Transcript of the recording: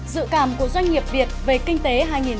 dự cảm của doanh nghiệp việt về kinh tế hai nghìn hai mươi